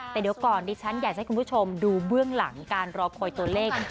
แต่เดี๋ยวก่อนดิฉันอยากจะให้คุณผู้ชมดูเบื้องหลังการรอคอยตัวเลข